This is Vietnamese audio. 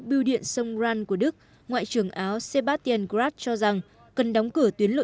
truyền thông songran của đức ngoại trưởng áo sebastian graf cho rằng cần đóng cửa tuyến lộ